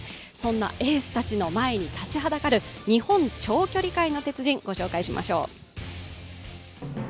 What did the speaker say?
そんなエースたちの前に立ちはだかる日本長距離界の鉄人、御紹介しましょう。